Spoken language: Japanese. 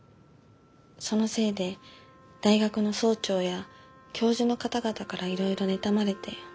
そのせいで大学の総長や教授の方々からいろいろ妬まれて。